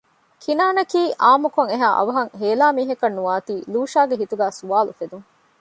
ކިނާންއަކީ އާންމުކޮށް އެހާ އަވަހަށް ހޭލާ މީހަކަށް ނުވާތީ ލޫޝާގެ ހިތުގައި ސުވާލު އުފެދުން